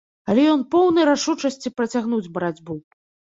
Але ён поўны рашучасці працягнуць барацьбу.